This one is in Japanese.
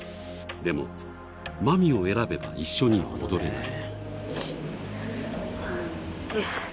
でも、まみを選べば一緒には踊れない。